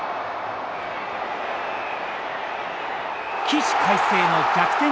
起死回生の逆転